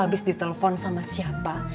abis ditelepon sama siapa